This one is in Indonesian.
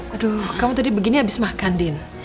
aduh kamu tadi begini habis makan din